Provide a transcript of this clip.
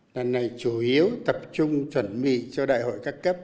lần này chủ yếu tập trung chuẩn bị cho đại hội các cấp